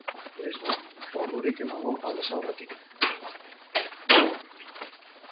Ez da ordurik emango aldez aurretik.